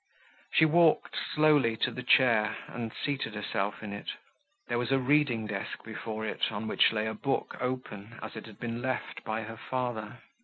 She walked slowly to the chair, and seated herself in it; there was a reading desk before it, on which lay a book open, as it had been left by her father.